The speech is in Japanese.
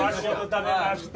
食べました！